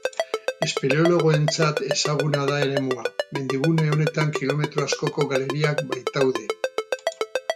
Espeleologoentzat ezaguna da eremua, mendigune honetan kilometro askoko galeriak baitaude.